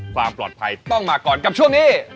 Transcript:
ความปลอดภัยต้องมาก่อนกับช่วงนี้